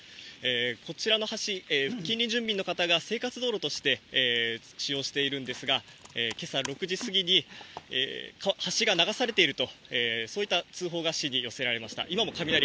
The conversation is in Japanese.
こちらの橋、近隣住民の方が生活道路として使用しているんですが、けさ６時過ぎに橋が流されていると通報が市に寄せられました。